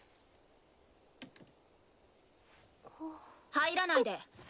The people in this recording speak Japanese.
入らないで。